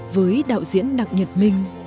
với đạo diễn đặng nhiệt minh